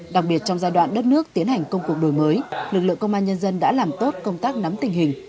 đặc biệt trong giai đoạn đất nước tiến hành công cuộc đổi mới lực lượng công an nhân dân đã làm tốt công tác nắm tình hình